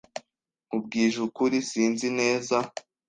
Nkubwije ukuri, sinzi neza.